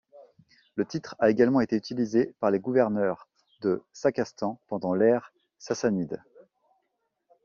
Le titre a également été utilisé par les gouverneurs de Sakastan pendant l'ère sassanide.